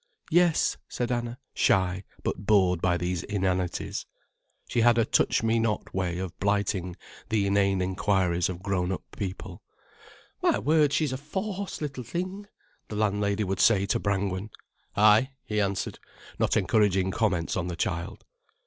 "Yes," said Anna, shy, but bored by these inanities. She had a touch me not way of blighting the inane inquiries of grown up people. "My word, she's a fawce little thing," the landlady would say to Brangwen. "Ay," he answered, not encouraging comments on the child.